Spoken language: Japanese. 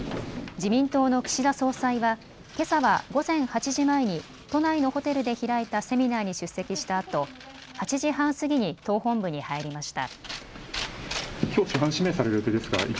自民党の岸田総裁はけさは午前８時前に都内のホテルで開いたセミナーに出席したあと８時半過ぎに党本部に入りました。